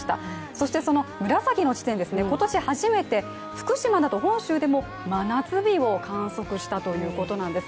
そして、その紫の地点ですが、今年初めて福島など本州でも真夏日を観測したということなんです。